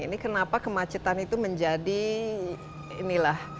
ini kenapa kemacetan itu menjadi inilah